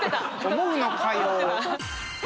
思うのかよ。